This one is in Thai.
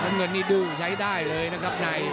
บังกันดีดูใช้ได้เลยนะครับใน